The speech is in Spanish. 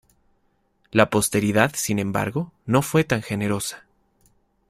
La posteridad, sin embargo, no fue tan generosa.